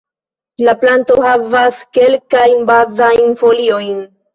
La planto havas kelkajn bazajn foliojn.